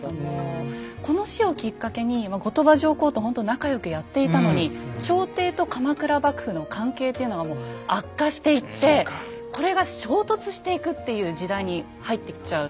この死をきっかけに後鳥羽上皇とほんと仲良くやっていたのに朝廷と鎌倉幕府の関係っていうのがもう悪化していってこれが衝突していくっていう時代に入っていっちゃう。